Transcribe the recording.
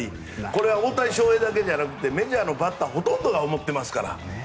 これは大谷翔平だけじゃなくてメジャーのバッターほとんどが思っていますから。